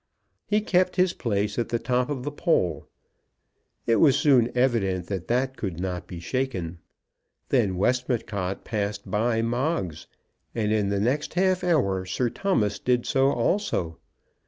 He kept his place at the top of the poll. It was soon evident that that could not be shaken. Then Westmacott passed by Moggs, and in the next half hour Sir Thomas did so also.